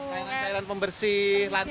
cairan cairan pembersih lantai